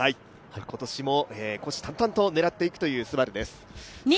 今年も虎視眈々と狙っていくというＳＵＢＡＲＵです。